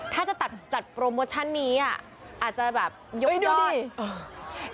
ถ้าจะตัดจัดโปรโมชั่นนี้อ่ะอาจจะแบบยกย่อน